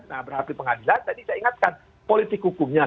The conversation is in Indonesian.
nah berarti pengadilan tadi saya ingatkan politik hukumnya